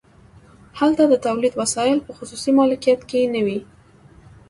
هلته د تولید وسایل په خصوصي مالکیت کې نه وي